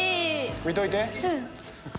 見といて。